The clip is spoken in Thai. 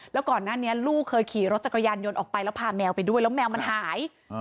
แล้วก่อนหน้านี้ลูกเคยขี่รถจักรยานยนต์ออกไปแล้วพาแมวไปด้วยแล้วแมวมันหาย